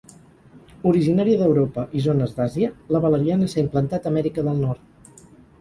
Originària d'Europa i zones d'Àsia, la valeriana s'ha implantat a Amèrica del Nord.